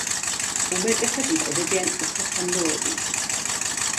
უმეტესად იკვებებიან უხერხემლოებით.